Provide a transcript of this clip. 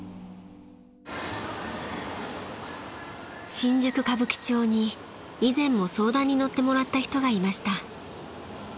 ［新宿歌舞伎町に以前も相談に乗ってもらった人がいました］